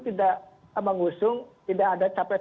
tidak mengusung tidak ada capres